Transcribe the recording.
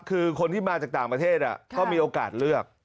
คือคนที่มาจากต่างประเทศก็มีโอกาสเลือก